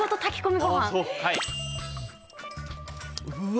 うわ。